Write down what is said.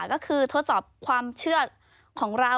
ก็คือทดสอบความเชื่อของเรา